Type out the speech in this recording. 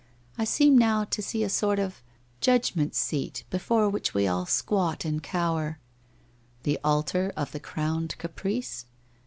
I seem now to see a sort of judgment seat, before which we all squat and cower '' The altar of the Crowned Caprice